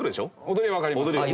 踊りわかります。